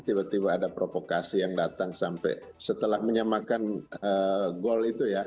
tiba tiba ada provokasi yang datang sampai setelah menyamakan gol itu ya